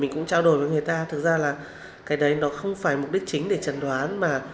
mình cũng trao đổi với người ta thực ra là cái đấy nó không phải mục đích chính để chẩn đoán mà